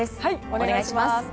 お願いします。